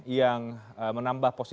yang menambah posisi